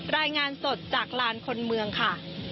รายงานสดจากลานคนเมืองค่ะ